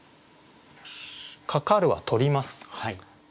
「かかる」は取ります。